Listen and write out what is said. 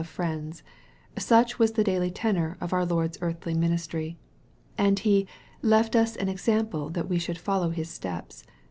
of friends such was the daily tenor of our Lord's earthly ministry. And He " left us an example that we should follow His steps."